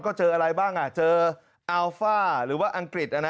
ก็เจออะไรบ้างเจออัลฟ่าหรือว่าอังกฤษ